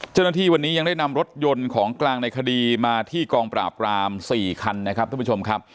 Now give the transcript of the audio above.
เจ้าหน้าที่วันนี้ยังได้นำรถยนต์ของกลางในคดีมาที่กองปราบราม๔คันนะครับท่านผู้ชมครับ